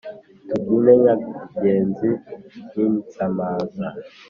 tubyine nyangezi n’insamaza